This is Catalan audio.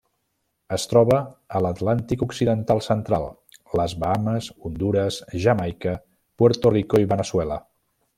Es troba a l'Atlàntic occidental central: les Bahames, Hondures, Jamaica, Puerto Rico i Veneçuela.